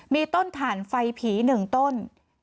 มีต้นถ่านไฟผี๑ต้น